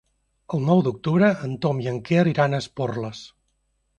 El nou d'octubre en Tom i en Quer iran a Esporles.